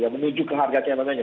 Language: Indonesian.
menuju ke harga kekonomianya